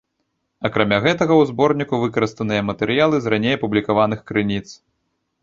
Акрамя гэтага, у зборніку выкарыстаныя матэрыялы з раней апублікаваных крыніц.